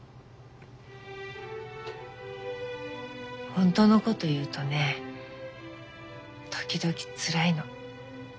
ホントのこと言うとね時々つらいの。